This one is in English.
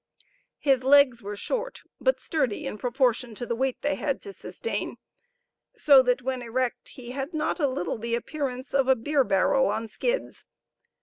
His legs were short, but sturdy in proportion to the weight they had to sustain; so that, when erect, he had not a little the appearance of a beer barrel on skids.